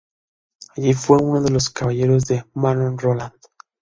Alli fue uno de los caballeros de Manon Roland.